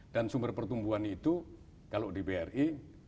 dan sumber pertumbuhan itu kalau di bri